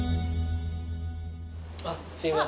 あっすいません。